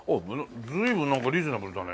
随分なんかリーズナブルだね。